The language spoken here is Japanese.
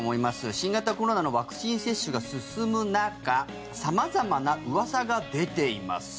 新型コロナのワクチン接種が進む中様々なうわさが出ています。